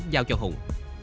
giao cho hùng